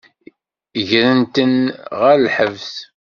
Gran-ten ɣer lḥebs.